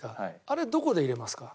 あれどこで入れますか？